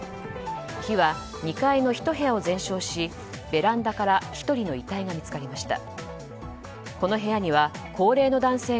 火は２回の１部屋を全焼しベランダから１人の遺体が見つかりました。